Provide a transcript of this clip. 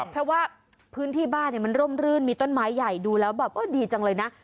เพราะว่าพื้นที่บ้านมันร่มรื่นมีต้นไม้ใหญ่ดูแล้วแบบดีจังเลยนะ